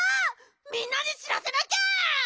みんなにしらせなきゃ！